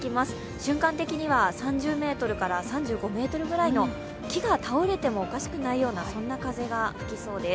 瞬間的には３０メートルから３５メートルの木が倒れてもおかしくないような風が吹きそうです。